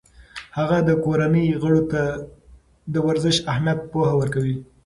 هغه د کورنۍ غړو ته د ورزش اهمیت پوهه ورکوي.